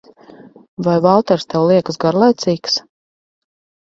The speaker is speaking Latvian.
Vai Valters tev liekas garlaicīgs?